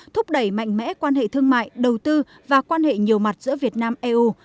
thúc đẩy mạnh mẽ quan hệ thương mại đầu tư và quan hệ nhiều mặt giữa việt nam eu